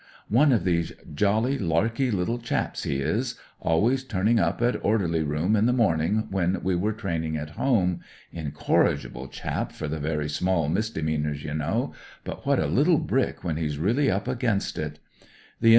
One of these jolly, larky httle chaps he is, always tumingup at orderly room in the morning when we were training at 140 AUSTRALIAN AS A FIGHTER home — ^incorrigible chap for the very small misdemeanours, you know — ^but what a little brick when he*s really up against it I The N.